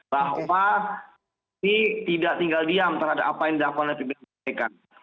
bahwa ini tidak tinggal diam terhadap apa yang dilakukan oleh pimpinan kpk